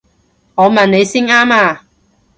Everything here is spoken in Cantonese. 我問你先啱啊！